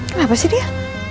kenapa sih dia